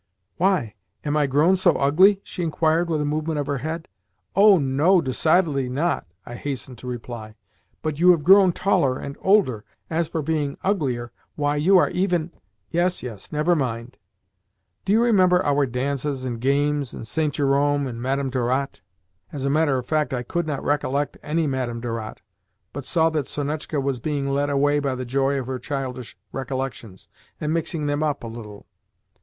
"Why? Am I grown so ugly?" she inquired with a movement of her head. "Oh, no, decidedly not!" I hastened to reply. "But you have grown taller and older. As for being uglier, why, you are even "Yes, yes; never mind. Do you remember our dances and games, and St. Jerome, and Madame Dorat?" (As a matter of fact, I could not recollect any Madame Dorat, but saw that Sonetchka was being led away by the joy of her childish recollections, and mixing them up a little).